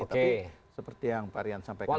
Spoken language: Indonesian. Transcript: tapi seperti yang pak aryan sampaikan tadi